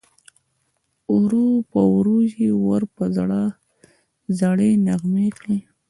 ورو په ورو یې ور په زړه زړې نغمې کړې